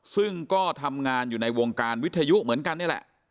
ซึ่งก็ทำงานอยู่ในวงการวิทยุเหมือนกันนี่แหละ